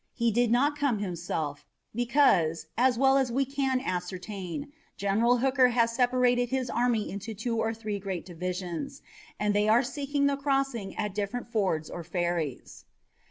He did not come himself, because, as well as we can ascertain, General Hooker has separated his army into two or three great divisions and they are seeking the crossing at different fords or ferries."